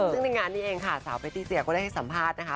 ซึ่งในงานนี้เองค่ะสาวเปตตี้เซียก็ได้ให้สัมภาษณ์นะคะ